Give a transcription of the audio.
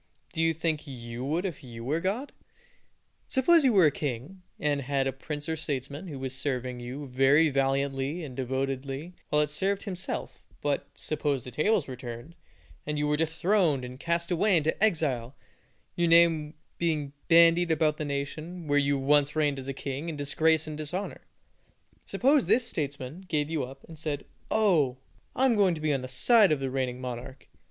Do you think you would if you were God? Suppose you were a king, and had a prince or statesman who was serving you very valiantly and devotedly while it served himself; but, suppose the tables were turned, and you were dethroned and cast away into exile, your name being bandied about the nation where you once reigned as king, in disgrace and dishonor; suppose this statesman gave you up, and said, "Oh! I am going to be on the side of the reigning monarch.